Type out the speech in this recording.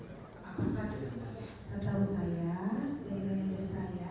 adakah kewajiban kewajiban lain misalnya